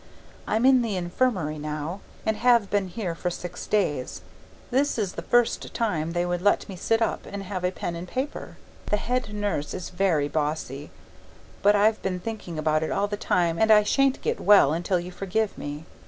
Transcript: I'm in the infirmary now, and have been here for six days; this is the first time they would let me sit up and have a pen and paper. The head nurse is very bossy. But I've been thinking about it all the time and I shan't get well until you forgive me.